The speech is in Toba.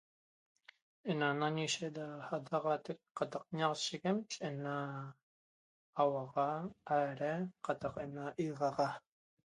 Ena nañiguishe da sa'adaatac qataq ñaxatsheguem ena hauxa aadai qataq ena higaxa